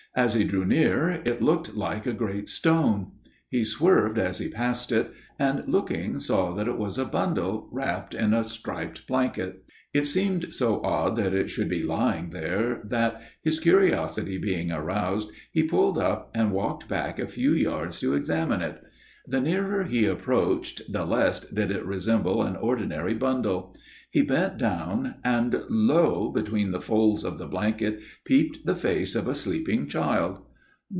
As he drew near it looked like a great stone. He swerved as he passed it, and, looking, saw that it was a bundle wrapped in a striped blanket. It seemed so odd that it should be lying there that, his curiosity being aroused, he pulled up and walked back a few yards to examine it. The nearer he approached the less did it resemble an ordinary bundle. He bent down, and lo! between the folds of the blanket peeped the face of a sleeping child.